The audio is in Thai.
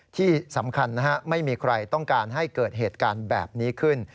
ที่สำคัญนะฮะไม่มีใครต้องการให้เกิดเหตุการณ์แบบนี้ขึ้น